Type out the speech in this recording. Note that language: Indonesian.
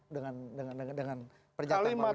dengan pernyataan pak wiranto